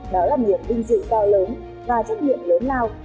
đó là nhiệm vinh dự cao lớn và trách nhiệm lớn lao